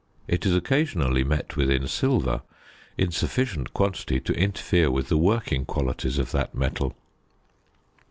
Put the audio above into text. It is occasionally met with in silver in sufficient quantity to interfere with the working qualities of that metal.